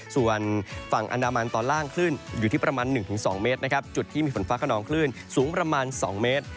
ส่วนฝั่งอันดามันตอนล่างคลื่นอยู่ที่ประมาณ๑๒เมตรนะครับจุดที่มีฝนฟ้าขนองคลื่นสูงประมาณ๒เมตร